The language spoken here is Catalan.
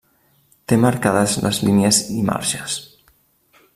Té marcades les línies i marges.